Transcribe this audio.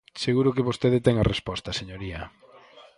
Seguro que vostede ten a resposta, señoría.